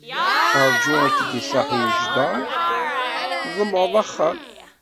Ṛǧu ar k-id-iṣaḥ ujdaṛ, tḍemɛeḍ axxam!